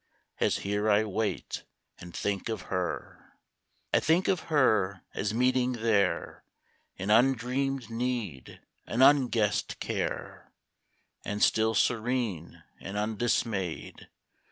As here I wait and think of her. I think of her as meeting there An undreamed need, an unguessed care ; And still serene and undismayed.